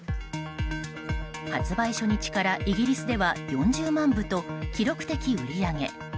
発売初日から、イギリスでは４０万部と記録的売り上げ。